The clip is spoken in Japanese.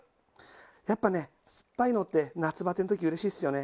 やっぱね酸っぱいのって夏バテの時嬉しいですよね。